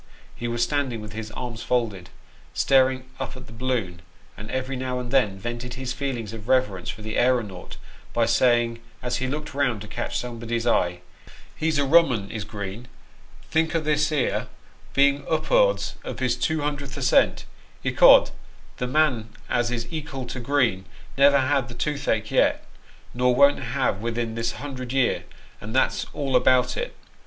He was stand ing with his arms folded, staring up at the balloon, and every now and then Vented his feelings of reverence for the aeronaut, by saying, as he looked round to catch somebody's eye, " He's a rum 'un is Green ; think o' this here being up'ards of his two hundredth ascent ; ecod tho man as is ekal to Green never had the toothache yet, nor won't havo within this hundred year, and that's all about it.